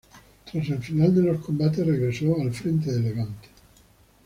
Tras el final de los combates regresó al frente de Levante.